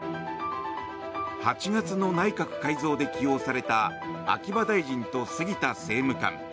８月の内閣改造で起用された秋葉大臣と杉田政務官。